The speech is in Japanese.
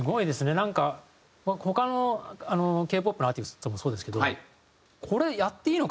なんか他のＫ−ＰＯＰのアーティストもそうですけどこれやっていいのか？